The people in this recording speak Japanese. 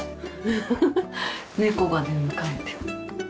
フフフフ猫が出迎えて。